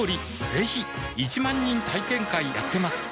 ぜひ１万人体験会やってますはぁ。